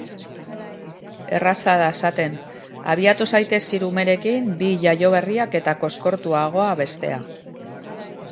Erraza da esaten; abiatu zaitez hiru umerekin, bi jaioberriak eta koskortuagoa bestea.